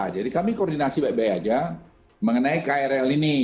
jadi kami koordinasi baik baik aja mengenai krl ini